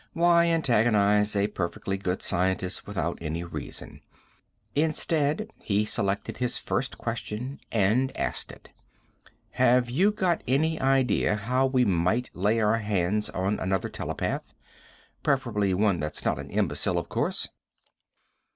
Why antagonize a perfectly good scientist without any reason? Instead, he selected his first question, and asked it. "Have you got any idea how we might lay our hands on another telepath? Preferably one that's not an imbecile, of course."